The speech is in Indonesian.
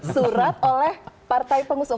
surat oleh partai pengusung